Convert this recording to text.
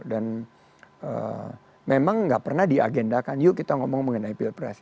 dan memang tidak pernah diagendakan yuk kita ngomong mengenai pilpres